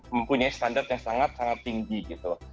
mempunyai standar yang sangat sangat tinggi gitu